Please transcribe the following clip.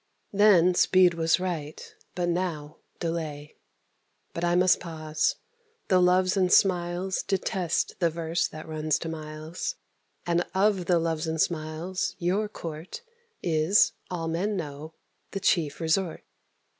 Then speed was right; but now, delay. But I must pause. The Loves and Smiles Detest the verse that runs to miles: And of the Loves and Smiles your court Is, all men know, the chief resort.